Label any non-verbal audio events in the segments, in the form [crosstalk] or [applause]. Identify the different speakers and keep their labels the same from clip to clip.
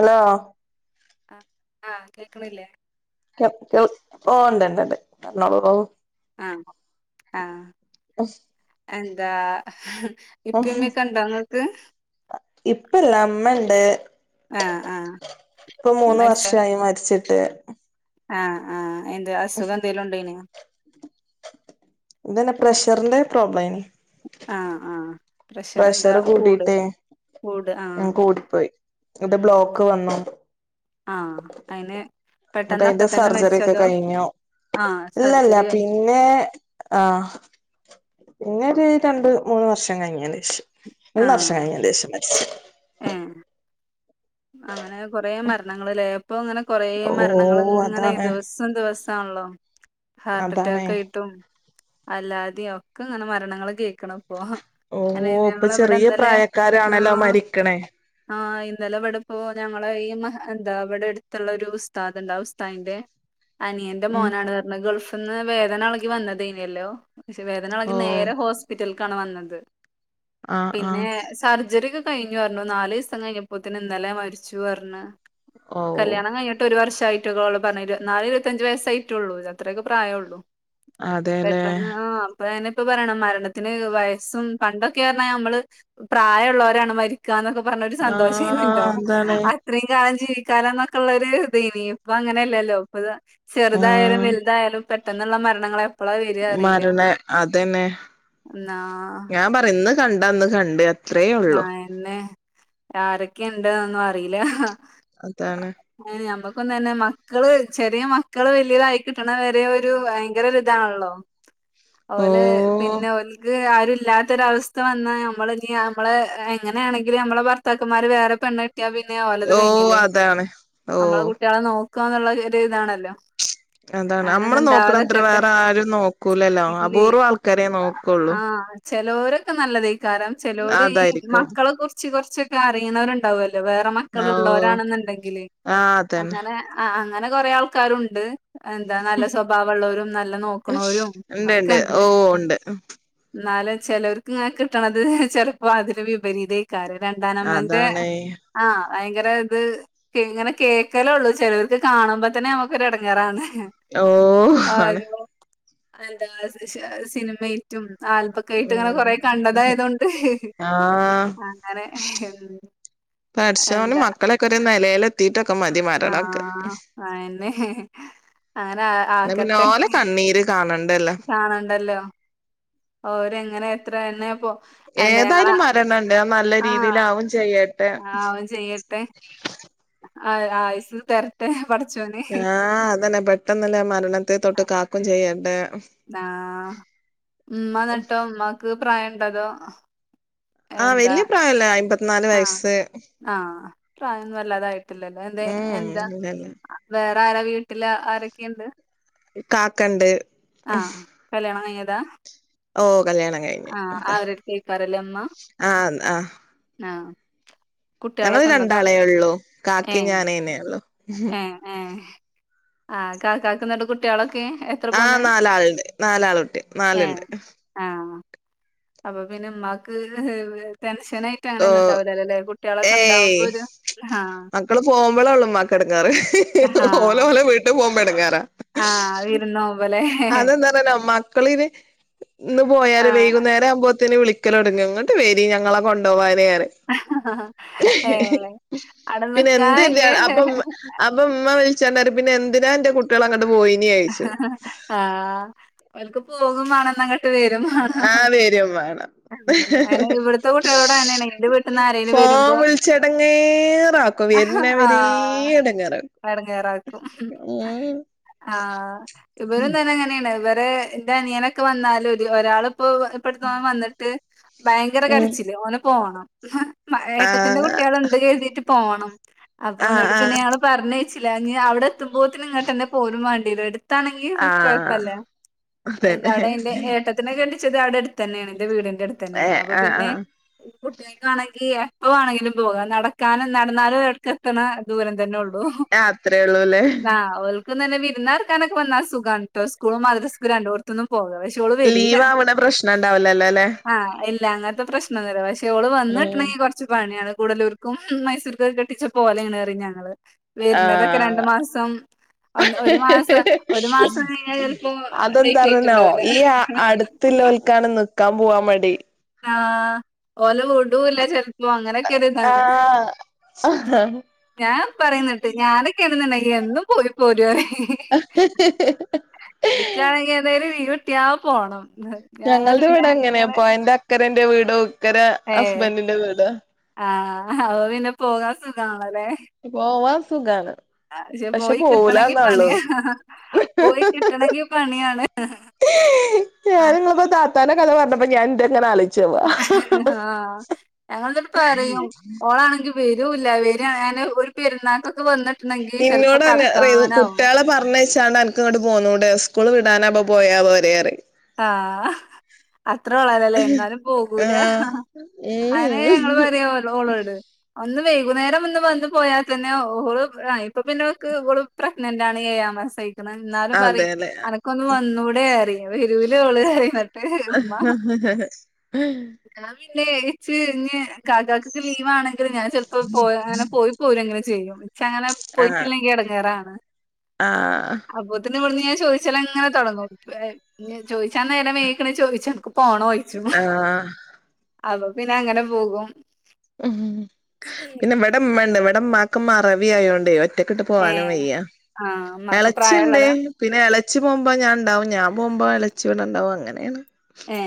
Speaker 1: Hello
Speaker 2: ആ ആഹ് കേക്കണില്ലേ?
Speaker 1: [unintelligible] ഓ ഇണ്ട്ണ്ട് പറഞ്ഞോളൂ ഓ
Speaker 2: ആ ആഹ
Speaker 1: അശ്.
Speaker 2: എന്താ ഇപ്പമ്മക്കണ്ടോങ്ങക്ക്.
Speaker 1: ഇപ്പല്ല ഇമ്മണ്ട്
Speaker 2: ആ ആ
Speaker 1: ഇപ്പ മൂന്ന് വർഷമായി മരിച്ചി ട്ട്.
Speaker 2: ആഹ് ആഹ് എന്ത അസുഖം എന്തെലും ഉണ്ടയിനോ?
Speaker 1: ഇതന്നെ പ്രഷറിന്റെ പ്രോബ്ലംന്.
Speaker 2: ആഹ ആഹ.
Speaker 1: പ്രഷർ കൂട്ടീട്ടേ.
Speaker 2: കൂട് ആ
Speaker 1: ഉം കൂടിപ്പോയി ഇത് ബ്ലോക്ക് വന്നു.
Speaker 2: ആഹ അയ്ന്.
Speaker 1: നമുക്ക് അതിന്റെ സർജറി ഒക്കെ കഴിഞ്ഞു.
Speaker 2: ആ
Speaker 1: ഇല്ലല്ല
Speaker 2: സർജറി കഴി
Speaker 1: പിന്നെ ആഹ പിന്നെഒരു രണ്ട് മൂന്ന് വർഷം കഴിഞ്ഞന് ശേഷം മൂന്ന് വർഷം കഴിഞ്ഞ ശേഷംമരിച്ച്.
Speaker 2: ഉം അങ്ങനെ കൊറെ മരണങ്ങളല്ലേ ഇപ്പ ഇങ്ങനെ കൊറെ മരണങ്ങൾ
Speaker 1: ഓ
Speaker 2: ഇങ്ങനെ
Speaker 1: അതാണ്
Speaker 2: ദിവസം ദിവസം. ണല്ലോ ഹാർട്ട്റ്റാക്ക്
Speaker 1: അതാണേ
Speaker 2: ആയിട്ടും അല്ലാ തൊക്കെങ്ങനെ മരണങ്ങൾ കേൾക്കണം. ഓഹോ
Speaker 1: ഓ
Speaker 2: അെ
Speaker 1: ഇപ്പൊ
Speaker 2: ഞങ്ങളവിടെ
Speaker 1: ചെറിയ
Speaker 2: ഇന്നലെ
Speaker 1: പ്രായക്കാരാണല്ലോ
Speaker 2: ഉം
Speaker 1: മരിക്കണേ
Speaker 2: ആ. ഇന്നലെ ഇവിടെപ്പോ ഞങ്ങളെ ഈ മഹ എന്താ ഇവിടെ എടുത്തുള്ള ഒരു ഉസ്താദ്ണ്ട് ആ ഉസ്ദാതിന്റെ. അനിയന്റെ
Speaker 1: ഉം
Speaker 2: മോനാണ് പറഞ്ഞ് ഗൾഫ് ന്ന് വേദന ഇളകി വന്നതയ്നല്ലോ. പക്ഷെ
Speaker 1: ഓ
Speaker 2: വേദനഇളങ്കി നേരെ ഹോസ്പിറ്റലെക്കാണ് വന്നത്
Speaker 1: ആഹ്
Speaker 2: പിന്നെ
Speaker 1: ആഹ്
Speaker 2: സർജറി കയ് കഴിഞ്ഞു പറഞ്ഞു നാല് ദിവസം കഴിഞ്ഞപ്പോത്തിന് ഇന്നലെ മരിച്ചു പറഞ്ഞ്.
Speaker 1: ഓ
Speaker 2: കല്ല്യാണം കഴിഞ്ഞിട്ട് ഒരു വർഷായി. കു പറ നാല് ഇരുപത്തഞ്ച് വയസായിട്ടോള്ളൂ അത്രയക്കെ പ്രായഉ ള്ളൂ.
Speaker 1: അതെല്ലേ
Speaker 2: പെട്ടെന്ന് ആ അപ്പൊ അങ്ങനെ. ഇപ്പം പറയണം മരണത്തിന് വയസ്സും പണ്ടൊക്കെ പറഞ്ഞാൽ നമ്മള് പ്രായമ ഉുള്ളവരാണ് മരിക്ക. ക്കന്നൊക്കെ പറഞ്ഞരു സന്തോഷംയെ
Speaker 1: ആഹ്
Speaker 2: ർന്ന്ട്ടോ
Speaker 1: അതാണ്
Speaker 2: അത്രയും കാലം. ജീവിക്കാ കാലം എന്നൊക്കെള്ള ഒരു ഇത് ഇനി ഇപ്പൊ അങ്ങനെയല്ലല്ലോ ഇപ്പത് ചെറുതായാലും
Speaker 1: ആഹ്
Speaker 2: വലുതായാലും. പെട്ടെന്നുള്ള മരണങ്ങളെ
Speaker 1: മരണ അതന്നെ
Speaker 2: എന്നാ
Speaker 1: ഞാൻ പറ ഇന്ന് കണ്ട ഇന്ന് കണ്ട്. അത്രേ ഉള്ളു
Speaker 2: അയ്നെ ആരൊക്കെയ ഇണ്ട്ന്നും അറിയില്ല.
Speaker 1: അതാണ്
Speaker 2: ഏ അമ്പ. [unintelligible] ഇപ്പം തന്നെ മക്കള് ചെറിയ മക്കള് വലിയതായികിട്ടണവരെ ഒരു ഭയങ്കര ഒരുരിതാണല്ലോ?
Speaker 1: ഓ
Speaker 2: ഓല് പിന്നെ ഓല്ക്ക് ആരും ഇല്ലാത്തൊരവസ്ഥ വന്നാ നമ്മളിനി ആ നമ്മള് എങ്ങനെയാണെങ്കിൽ നമ്മെ ഭർത്താക്കമാര് വേറെ പെണ്ണ് കെ ട്ടിയ പിന്നെഓലത്
Speaker 1: ഓ
Speaker 2: കഴിഞ്ഞില്ലേ
Speaker 1: അതാണ് ഓ
Speaker 2: നമ്മളെ കുട്ടികളെ നോക്കന്നുള്ളത് ഒരു ഇതാണല്ലോ?
Speaker 1: അതാണ് നമ്മള്
Speaker 2: അങ്ങനൊന്നും
Speaker 1: നോക്കണത്ര
Speaker 2: ഇണ്ടാവാതെക്കട്ടെ
Speaker 1: വേറെ ആരും നോക്കൂലല്ലോ അപൂർവം ആൾക്കാരേ നോക്കുള്ളൂ.
Speaker 2: ചെലൊരൊക്കെ നല്ലതായ്കാരം ചെലൊര്ഈ
Speaker 1: അതായിരിക്കും
Speaker 2: മക്കളെ കുറിച്ച് കുറച്ചൊക്കെ അറിയുന്നവരുണ്ടാവല്ലോ? വേറെ മക്കള്
Speaker 1: ഓ
Speaker 2: ഉള്ളവരാണെന്നുണ്ടെങ്കില്
Speaker 1: ആഹ് അതന്നെ
Speaker 2: അങ്ങനെ അ അ അങ്ങനെ കൊറെേ ആൾക്കാരുണ്ട്. എന്താ നല്ല സ്വഭാവമുള്ളവരും നല്ല നോക്കണോരും
Speaker 1: ഇണ്ട് ഇണ്ട്
Speaker 2: ഒക്കെണ്ട്.
Speaker 1: ഓ ഉണ്ട്
Speaker 2: എന്നാലും ചിലർക്ക് ഇങ്ങനെ കിട്ടണത് ചിലപ്പോ അതിൽ വിപരീതയ് ക്കാരം രണ്ടാനമ്മന്റെ
Speaker 1: അതാണ്
Speaker 2: ആ. ഭയങ്കര ഇത് ഇങ്ങനെ കേൾക്കൽ ഉള്ളൂ ചേലോർക് കാണുമ്പോ തന്നെ നമുക്കൊരു ഇടംങ്ങറാണ്.
Speaker 1: ഓ ആണ്.
Speaker 2: അന്താ സി സിനിമയ്റ്റും ആൽബക്കായിട്ടും അങ്ങനെ
Speaker 1: ഉം
Speaker 2: കൊറെ കണ്ടതായതൊണ്ട് ഹി ഹി.
Speaker 1: ആഹ്
Speaker 2: അങ്ങനെ ഹെ ഉം
Speaker 1: പാടച്ചോന്
Speaker 2: എന്താ
Speaker 1: മക്കളെക്കെ ഒരു നെലായ് ൽത്തിയിട്ട്. ഒക്കെ മതി
Speaker 2: ആ
Speaker 1: മരണംഒക്കെ.
Speaker 2: അയന്നെ അങ്ങനെ ആ
Speaker 1: എന്ന
Speaker 2: ആക്കട്ടെ
Speaker 1: പിന്നാഓല കണ്ണീര്. ക
Speaker 2: കാണണ്ടല്ലോ ഓര് എങ്ങനെ എത്ര തന്നെ. പോ എന്താ ഞങ്ങളെ
Speaker 1: ഏതായാലും മരണണ്ട് അത് നല്ല
Speaker 2: ആ
Speaker 1: രീതിയിലാവും ചെയ്യ
Speaker 2: ആവും ചെയ്യട്ടെ. ആ ആയിസ് തതിരട്ടെ പട
Speaker 1: ആ അതന്നെ പെട്ടെന്നല്ലെ മരണത്തെ തൊട്ട് കാക്കും ചെയ്യണ്ടെ
Speaker 2: ആ ഉമ്മ നട്ടോ ഉമ്മമക്ക് പ്രായം ഇണ്ടതോ
Speaker 1: ആ വല്യ പ്രായല്ല അയമ്പത്തിനാല് വയസ്സ്
Speaker 2: ആ പ്രായംന്ന വല്ലാതായിട്ടില്ലല്ലോ എ
Speaker 1: ഉം
Speaker 2: എന്താ
Speaker 1: ഇല്ലല്ല
Speaker 2: വേറെ? വീട്ടില് ആരൊക്കെണ്ട്?
Speaker 1: കാക്കണ്ട്
Speaker 2: ആ കല്യാണ
Speaker 1: ഓ കല്യാണം കഴിഞ്ഞു
Speaker 2: - ആ
Speaker 1: അതാ
Speaker 2: ആരടുത്ത് കേക്കാറല്ലേ ഉമ്മ
Speaker 1: ആഹ് ആഹ്
Speaker 2: ആ!
Speaker 1: ഞങ്ങള്
Speaker 2: കുട്ടികളൊക്കെ ഉണ്ടക്ക
Speaker 1: രണ്ടാളേ ഉള്ളൂ
Speaker 2: ഏ
Speaker 1: കാക്കിം ഞാനേന്നെ ഉള്ളു
Speaker 2: ഏ ഹ ആ! ക കാക്കുന്നണ്ട് കുട്ടികളൊക്കെ എത്ര
Speaker 1: ആ
Speaker 2: പോന്നേ
Speaker 1: നാലാളണ്ട് നാലാളൊട്ടെ
Speaker 2: ഏഹ്
Speaker 1: നാലുണ്ട്
Speaker 2: ആഹ് അപ്പൊ പിന്നെ ഉമമാക്ക് ടെൻഷനായിട്ട് അങ്ങനെ
Speaker 1: ഓ
Speaker 2: ഒന്നുംണ്ടാവില്ലേ
Speaker 1: ഏയ് മക്കള് പോകുമ്പോളേ ഉള്ളുമാ കടങ്ങാറ് ഓല ഓല
Speaker 2: ആഹ്
Speaker 1: വീ- ല് പോവുമ്പം എടങ്ങേറാ
Speaker 2: ആഹ് വിരുന്നോവുമ്പല്ലേ
Speaker 1: [unintelligible] മക്കളിന് ഇന്ന് പോയാര്
Speaker 2: ആഹ്
Speaker 1: വെയ്കുന്നേരം ആവുമ്പോ- ത്തിന് വിളിക്കലൊടുങ്ങു ഇങ്ങട്ട് വെരി ഞങ്ങളെ കൊണ്ടോവാന്
Speaker 2: ഏഹ് അവടെ
Speaker 1: പിന്നെ എന്തന്ത്
Speaker 2: നിക്കാനില്ലേ
Speaker 1: അപ്പ അപ്പം വിളിച്ച പിന്നെന്തിനാ ന്റെ കുട്യള-
Speaker 2: ആ അവര്ക്ക് പോകോം വേണം ങ്ങട്ട് വരും [unintelligible]
Speaker 1: ആഹ് വരും വേണം
Speaker 2: ഉം അനെ ഇവിടുത്തെ കുട്ട്യളോട് ങ്ങനെയാണ് ന്റ വീട്ടന്ന് ആരെലു
Speaker 1: ഫോൺ
Speaker 2: വെരുമ്പോ
Speaker 1: വിളിച്ചെടങ്ങേറാക്കും
Speaker 2: ആ
Speaker 1: വരുന്നവരേ എടങ്ങേറാക്കും
Speaker 2: എടങ്ങേറാക്കും
Speaker 1: ഉം
Speaker 2: ആ ഇവരും തന്നെങ്ങനേണ് ഇവര് ന്റനിയനൊക്കെ വന്നാലും [unintelligible] ഒരാള് ഇപ്പൊ ഇപ്പടുത്തോൻ വന്നിട്ട് ഭയങ്കര
Speaker 1: ഉം
Speaker 2: കരച്ചില് ഓന് പോണം ഏട്ടത്തീന്റെ
Speaker 1: ആഹ്
Speaker 2: കുട്ടികള്ണ്ട് കരുതിയിട്ട് പോണം അപ്പൊ
Speaker 1: ആഹ്
Speaker 2: ന്നട്ട് പിന്നെ
Speaker 1: ആഹ്
Speaker 2: ഞാള് പറഞ്ഞേച്ചില്ല ഇനി അവിടെ എത്തുമ്പോത്തിന് ഇങ്ങട്ട്ന്നെ പോരുും വേണ്ടീല്ല എടുത്താണെങ്കി
Speaker 1: ആഹ്
Speaker 2: കൊയപ്പല്ല എ
Speaker 1: അതന്നെ
Speaker 2: അവിടെ എന്റെ ഏട്ടത്തിനെ കെട്ടിച്ചത് അവിടെ അടുത്തന്നെയാണ് എന്റെ വീടിന്റെ അടുത്തന്നെയാണ്
Speaker 1: ഏഹ്
Speaker 2: അപ്പൊ
Speaker 1: ആഹ്
Speaker 2: പിന്നെ
Speaker 1: ആഹ്
Speaker 2: ഉ കുട്ടികക്കാണെങ്കി എപ്പവാണെങ്കിലും പോകാം നടക്കാനും നടന്നാലും [unintelligible] ക്ക് എത്തണ ദൂരം തന്നെള്ളൂ
Speaker 1: ആഹ് അത്രേ ഉള്ളൂല്ലേ
Speaker 2: [unintelligible] തന്നെവിരുന്നാർക്കാനക്കെ വന്ന സുഖാണ് ട്ടോ ഇസ്കൂളു മദ്രസക്കു രണ്ടോട്ത്തുന്നും പോനപഷേ ഓള് വെരൂല
Speaker 1: ലീവ് ആവണ പ്രശ്നം ഉണ്ടാവില്ലല്ലോ അല്ലെ
Speaker 2: ആ ല്ല അങ്ങത്തെ പ്രശ്നൊന്ന്ല്ല പക്ഷെ ഓള്
Speaker 1: ഉം
Speaker 2: വന്നിട്ട്ണെങ്കി കൊറച്ച് പ [unintelligible] കൂടലൂർക്കും മൈസൂർക്കുക്കെ കെട്ടിച്ച പോലെയാണ്റയ് ഞങ്ങള് വെരുന്നതൊക്കെ രണ്ടു
Speaker 1: ആഹ്
Speaker 2: മാസം ഒന്ന് ഒരു മാസം ഒരു മാസം കയ്ഞ്ഞാല് ചെലപ്പോ ലേറ്റായ്ട്ടുണ്ടാവില്ല
Speaker 1: ന്ക്കാണ് നിക്കാപോവാൻ മടി
Speaker 2: ആ ഓല് വിടൂല്ല ചെ- അങ്ങനെക്കെ ഒരു ഇതാണ്
Speaker 1: ആഹ്
Speaker 2: ഞാൻ പറയുന്നിട്ട് ഞാനൊക്കെ ഇടുന്നുണ്ടായി എന്നും പോയി പോരുവ ഇച്ചാണെങ്കി എന്തായാലും വ ട്ടിയാ പോണം ഞാന്ന്ട്ട് [unintelligible]
Speaker 1: എന്റെ അക്കരന്റെ വീട് ഉക്കര ഹസ്ബൻറിന്റെ വീട്
Speaker 2: ആ! ഓ പിന്നെ പോകാം സുഖ
Speaker 1: പോവാ സുഖാണ്
Speaker 2: ക്ഷെ
Speaker 1: പക്ഷെ
Speaker 2: പോയി കിട്ടണെങ്കി
Speaker 1: പോവൂലന്നള്ളു
Speaker 2: പണിയാണ് പോയി കിട്ടണെങ്കി പണിയാണ്
Speaker 1: ഞാൻ
Speaker 2: ആഹ്
Speaker 1: ങ്ങളിപ്പോ താത്താന്റെ കഥ പറഞ്ഞപ്പോ ഞാൻ ന്റെന്ന [unintelligible]
Speaker 2: ആ ഞങ്ങളെന്ശിട്ട് പറയും ഓളാണെങ്കി- രൂല്ല വെര് ൻ ഒരു പെരുന്നാ- [inaudible]
Speaker 1: ഇന്നോട് തന്നെ റയൂ കുട്ട്യളെ പറഞ്ഞയച്ചാണ്ട് എനക്ക് ഇങ്ങോട്ട് പോന്നൂടെന്ന് സ്കൂൾ വിടാനാബോ പോയാപോരെ റി
Speaker 2: ആഹ് ഹ അത്ര ഒളാലല്ലേ ന്നാലും പോകൂല ഹ
Speaker 1: ആഹ്
Speaker 2: ഹഹ അയന്നേ ഞങ്ങള്
Speaker 1: ഉം
Speaker 2: പറയാ ഓളോട് ഇന്ന് വൈകുന്നേരം ഇന്ന് വന്ന് പോയാ തന്നെ ഓള് ഇപ്പൊ പിന്നോക്ക് ഓള് പ്രഗ്നന്റ് ആണ് ഏയാം മാസ എന്നാലും പറെം
Speaker 1: അതെല്ലേ
Speaker 2: അനക്കൊന്ന് വന്നുടെറയും വെരൂലോള് ന്നിട്ട് മ്മ പിന്നെ ച്ച് ഇഞ് കാക്കക്കൊക്കെ ലീവാണെങ്കില് ഞാൻ ചെലപ്പോ പോയ് അങ്ങനെ പോയി പോരങ്ങനെ ചെയ്യും ഇച്ചങ്ങനെ പോയിട്ടില്ലെങ്കി എടങ്ങേറാണ്
Speaker 1: ആ
Speaker 2: [unintelligible] ചോയ്ച്ചാലങ്ങനെ തൊടങ്ങും ചോയ്ച്ചാ നേരം വയ്കിക്കണ് ച്ചെനക്ക് പോണോയ്ച്ചും മ്മ്ഹ്
Speaker 1: ആഹ്
Speaker 2: അപ്പൊ പിന്നെ അങ്ങനെ പോകും
Speaker 1: മ്മ്ഹ് പിന്നെ വ്ടെമ്മേണ്ട് വ്ടെമ്മാക്ക് മറവി ആയോണ്ടെ ഒറ്റക്ക്ട്ട് പോവാനും
Speaker 2: ഏഹ്
Speaker 1: വെയ്യ
Speaker 2: ആഹ് ഇമ്മാക്ക്
Speaker 1: എളച്ചിണ്ട്
Speaker 2: പ്രായള്ളതാ?
Speaker 1: പിന്നെ എളെ ച്ചി പോകുമ്പോ ഞാ ണ്ടാവും ഞാൻ പോമ്പോ എളച്ചിവിടണ്ടാവും അങ്ങനേണ്
Speaker 2: ഏ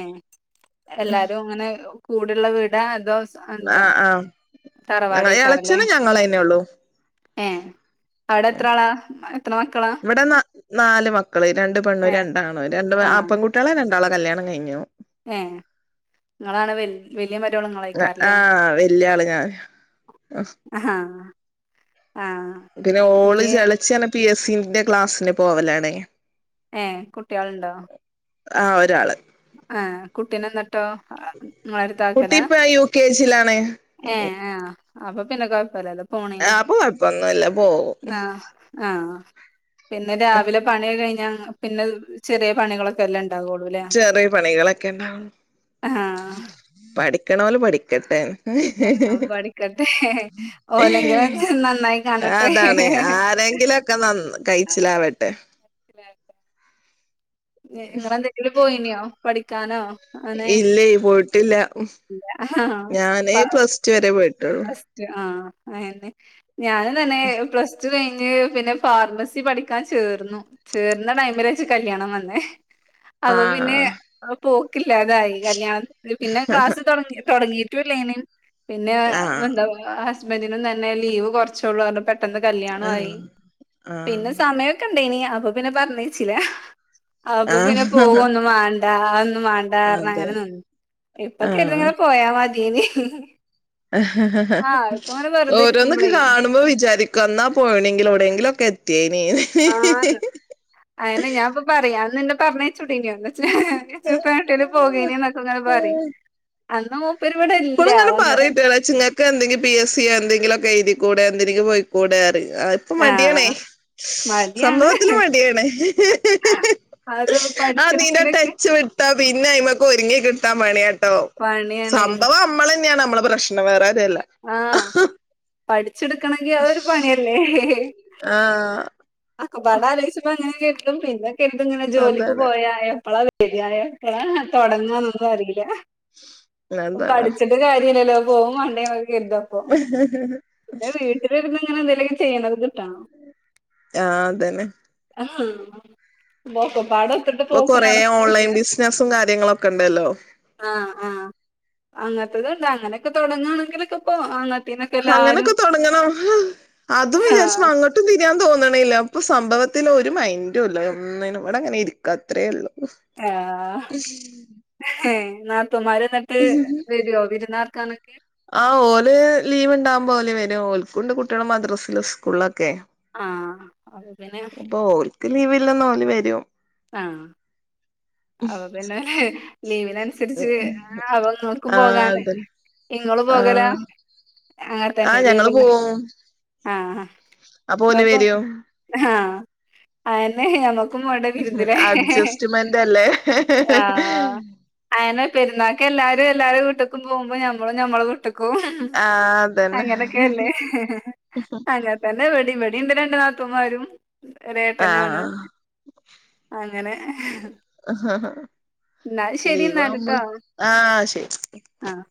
Speaker 2: എല്ലാരും അങ്ങനെ കൂടിള്ള വീടാ അതോ എന്താ
Speaker 1: ആഹ് ആഹ് ഞങ്ങ
Speaker 2: തറവാടേക്കാരല്ലേ
Speaker 1: എളച്ചന് ഞങ്ങളന്നെ ഉള്ളൂ
Speaker 2: ഏ അവിടെ എത്ര ആളാ എത്ര മക്കളാ?
Speaker 1: ഇവിടെ ന നാല് മക്കള് രണ്ട് പെണ്ണു
Speaker 2: ഏഹ്
Speaker 1: രണ്ടാണ് രണ്ട് ആപെങ്കുട്ടിയാളെ ര ഒരാള കല്യാണം കഴിഞ്ഞു
Speaker 2: ഏ ങ്ങളാണ് വെൽ വെൽ വല്ല്യ മരോലിങ്ങളെയ്ക്കാരല്ലേ
Speaker 1: ആഹ് വല്യ ആള് ഞാൻ
Speaker 2: ഹ ഹാ
Speaker 1: പിന്നെ ഓൾ ജെളെച്ചി പി എസ് സിന്റെ ക്ലാസ്സിന് പോവല്ലാണ്
Speaker 2: ഏ കുട്ടിയാൾണ്ടോ
Speaker 1: ആഹ് ഒരാള്
Speaker 2: ആഹ കുട്ടിനെ ന്നെ ട്ടോ
Speaker 1: കുട്ടി
Speaker 2: ങ്ങളെട്ത്താക്കലാ
Speaker 1: ഇപ്പ യു കെ ജിയിലാണ്
Speaker 2: ഏ ആഹ അപ്പൊ പിന്നെ കൊയപ്പല്ലല്ലോ
Speaker 1: ആഹ പോ കൊയപ്പൊന്നുല്ല പോവും
Speaker 2: ആഹ പിന്നെ രാവിലെ പണി ക്കെ കഴിഞ്ഞാ പിന്നെ ചെറിയ പണികളൊക്കെ ല്ലെ ണ്ടാവൊള്ളൂ ലേ
Speaker 1: ചെറിയേ പണികളൊക്കെ ണ്ടാവൊ പഠിക്കണോല് പഠിക്കട്ടെ ഹ് ഹ്
Speaker 2: അപ്പൊ
Speaker 1: ഹ്
Speaker 2: പഠിക്കട്ടെ
Speaker 1: ഹീ
Speaker 2: ഓലെങ്കിലും നന്നായി കാണട്ടെ
Speaker 1: അതാണ് ആര ങ്കിലൊക്കെ നന്നാ
Speaker 2: ആ,
Speaker 1: കഴിച്ചിലാവട്ടെ
Speaker 2: [inaudible] ഇങ്ങളെന്തെങ്കിലും പോയിനിയോ പഠിക്കാനോ അങ്ങനെ
Speaker 1: ഇല്ലേയ് പോയിട്ടില്ല
Speaker 2: ഇല്ല.
Speaker 1: ഞാന്
Speaker 2: പ
Speaker 1: പ്ലസ്ടു വരെ പോയിട്ട്
Speaker 2: പ്ലസ്ടു ആ അയന്നെ ഞാനും തന്നെ പ്ലസ് ടു കയി പിന്നെ ഫാർമസി പഠിക്കാൻ ചേർന്നു ചേർന്ന ടൈമില് ച്ച് കല്യാണം വന്നേ [inaudible] അപ്പ പിന്നെ
Speaker 1: ആഹ്
Speaker 2: പോക്കില്ലാതായി കല്യാണം പിന്നെ ക്ലാസ്സ് തൊടങ്ങി തൊടങ്ങി പിന്നെ
Speaker 1: ആഹ്
Speaker 2: ന്താ ഹസ്ബൻന്റിനും തെന്നെ ലീവ് കൊർചൊള്ളൂ പെട്ടെന്ന്
Speaker 1: ആഹ്
Speaker 2: കല്യാണോയി പിന്നെ സമയൊക്കെ ണ്ടെയിനിം അപ്പൊ പിന്നെ പറഞ്ഞേച്ചില അപ്പൊ പിന്നെ
Speaker 1: ആഹ് ആഹ്
Speaker 2: പോകൊന്നും മാണ്ടാ ന്നും മാണ്ടാ
Speaker 1: അതെ
Speaker 2: ഞ്ഞങ്ങനെ ന്നു ഇപ്പൊ കെര്ത
Speaker 1: ആഹ്
Speaker 2: ഇങ്ങനെ പോയാ മതിയെയ്നിം
Speaker 1: ഹ ഹ ഹ ഓരോന്നൊക്കെ
Speaker 2: ഇരിക്കുമ്പളേ
Speaker 1: കാണുമ്പോ വിചാരിക്കും എന്നാ പോയിണെങ്കിലും എവിടെയങ്കിലും ഒക്കെ [unintelligible] തിന്യയ് ഹ് ഹ്
Speaker 2: ആഹ്
Speaker 1: ഹ്
Speaker 2: അയന്നെ ഞാൻപ്പൊ പറയ അന്ന് ന്നെ പറഞ്ഞയചുടീയ്ണോന്ന് ഹ് ഹ് ഇച്ച്പ്പോ എങ്ങെട്ടെലും പോകെയ്നിം എന്നൊക്കെ ഇങ്ങനെ പറയും
Speaker 1: എത്തിയേനീന്ന്
Speaker 2: അന്ന് മൂ
Speaker 1: ഇപ്പളും ഇങ്ങനെ പറയിട്ടോ എളേച്ഛങ്ങക്ക് എന്തെങ്കി പി എസ് സി എന്തെങ്കിലൊക്കെ എയ്തിക്കൂടെ എന്തിനെങ്കിലും പൊയ്ക്കൂടേ റിം ആ ഇപ്പ മടിയാണെ
Speaker 2: ആഹ് മടിയാണ്
Speaker 1: സംഭവത്തിൽ മടിയാണേ ഹെ ഹെ ഹെ
Speaker 2: അത്
Speaker 1: ആ നീന്റെ
Speaker 2: പഠിക്കണെങ്കിലൊക്കെ
Speaker 1: ടച്ച് വിട്ട പിന്നെ അയി്മക്ക് ഒരുങ്ങി കിട്ടാ പണിയാട്ടോ
Speaker 2: പണിയാണേ
Speaker 1: സംഭവം നമ്മള തന്നെയാണ് നമ്മള് പ്രശ്നം വേരാറുവല്ല
Speaker 2: ആഹ് പഠിച്ചെടുക്കണെങ്കി അതൊരു പണിയല്ലേ
Speaker 1: ആഹ
Speaker 2: അക്കെപാട ആലോചിച്ചപ്പ അങ്ങനെ കേെട്ടും പിന്നെ കേട്ടും ഇങ്ങനെ ജോലിക്ക്
Speaker 1: അതാണ്
Speaker 2: പോയാ എപ്പളാ ശരിയായക്ക തുൊടങ്ങന്നൊന്നും അറിയില്ല
Speaker 1: അതാണ്
Speaker 2: പഠിച്ചിട്ട് കാര്യല്ലല്ലോ പോകും വണ്ടേ എന്നൊക്കെ കരുത അപ്പൊ പിന്നെ വീട്ടില ഇരുുന്ന ഇങ്ങനെ എന്തെലൊക്കെ ചെയ്യണ ന്ന്
Speaker 1: ആഹ അതന്നെ
Speaker 2: ഹം [unintelligible] പാട ഒത്തിട്ട്
Speaker 1: ഇപ്പൊ കൊറേ
Speaker 2: പോക്കുന്നടക്കും
Speaker 1: ഓൺലൈൻ
Speaker 2: ഇല്ല
Speaker 1: ബിസിനസും കാര്യങ്ങളൊക്കെ ഉണ്ടല്ലോ
Speaker 2: ആഹ ആഹ അങ്ങനത്തത് ഉണ്ട് അങ്ങനെയൊക്കെ തുടങ്ങുകവാണെങ്കിലൊക്കെ പോ അങ്ങത്തെ
Speaker 1: അങ്ങനൊക്കെ തുൊടങ്ങണം അതും
Speaker 2: ആഹ്
Speaker 1: വിചാരിച്ച അങ്ങോട്ടും തിരിയാൻ തോന്നണില്ല ഇപ്പൊ സംഭവത്തിൽ ഒരു മൈൻറുംല്ല ഒന്നിനും ഇവ്ടെ അങ്ങനെ ഇരിക്കാത്രേ ഉള്ളൂ
Speaker 2: ആ ഏ നാത്തൂമാര്ന്നട്ട് വര്വോ വിരുന്നാർ ക്കാനൊക്കെ
Speaker 1: ആ ഓല് ലീവ് ഉണ്ടാവുമ്പോ ഓല് വരും ഓൽക്കുണ്ട് കുട്ട്യള് മദ്രസിലും സ്കൂളില കെ
Speaker 2: ആഹ് അപ്പൊ പിന്നെ
Speaker 1: അപ്പൊ ഓൽക്ക് ലീവ്‌ല്ലന്ന് ഓല് വരും
Speaker 2: ആഹ അപപിന്നെ ലീവിനനുസരിച്ച് ആ അപങ്ങക്കും
Speaker 1: ആ
Speaker 2: പോകാലാ
Speaker 1: അതന്നെ
Speaker 2: ഇങ്ങളു
Speaker 1: ആ
Speaker 2: പോകലാ ആ തന്നെ
Speaker 1: ഞങ്ങള്
Speaker 2: ലീവന്നെ
Speaker 1: പോവും
Speaker 2: ആഹ
Speaker 1: അപ്പൊ ഓല്
Speaker 2: ങ്ങക്കും
Speaker 1: വരും
Speaker 2: ആ അഅന്നെ ഞമ്മക്കും പോണ്ടെ വിരു
Speaker 1: അഡ്ജസ്റ്റ്മെന്റ് അല്ലേ
Speaker 2: ആ അഅന്നെ പെരുന്നാൾ ക്കെല്ലാരും എല്ലാരും വീട്ട്ക്കും പോവ്മ്പോ നമ്മള് നമ്മള
Speaker 1: ആ അതന്നെ
Speaker 2: അങ്ങനൊക്കെല്ലെ, അങ്ങൻത്തന്നെ വട്യും നീന്റെ രണ്ട് നാത്തൂന്മാരും
Speaker 1: ആ
Speaker 2: പെരേതന്നെ ആണ്... അങ്ങനെ ന്നാല്ശെരി എന്നാല്ട്ടോ
Speaker 1: ലീവാവുമ്പള് ആ ശരി
Speaker 2: ആഹ